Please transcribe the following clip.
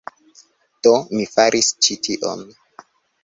Do, mi faris ĉi tion